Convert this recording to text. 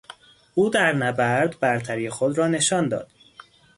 او در نبرد برتری خود را نشان داد.